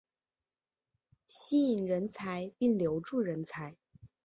吸引人才并留住人才